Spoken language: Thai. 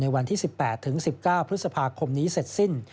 วันที่๑๘ถึง๑๙พฤษภาคมนี้เสร็จสิ้น